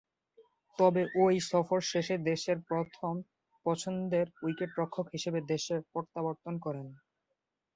তবে, ঐ সফর শেষে দেশের প্রথম পছন্দের উইকেট-রক্ষক হিসেবে দেশে প্রত্যাবর্তন করেন।